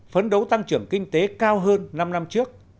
phấn đấu tăng trưởng kinh tế cao hơn năm năm trước